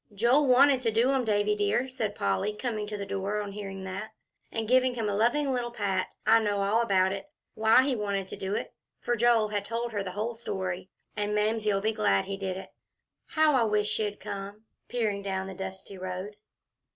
"Joel wanted to do 'em, Davie dear," said Polly, coming to the door, on hearing that, and giving him a loving little pat. "I know all about it, why he wanted to do it" for Joel had told her the whole story "and Mamsie'll be glad he did it. How I wish she'd come!" peering down the dusty road.